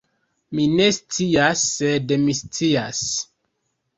Mi ne scias sed mi scias